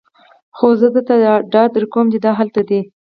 خو زه درته ډاډ درکوم چې دا هلته دی